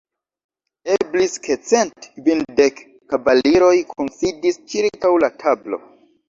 Eblis ke cent kvindek kavaliroj kunsidis ĉirkaŭ la tablo.